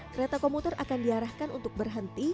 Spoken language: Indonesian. kereta komuter akan diarahkan untuk berhenti